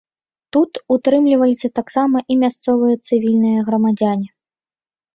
Тут утрымліваліся таксама і мясцовыя цывільныя грамадзяне.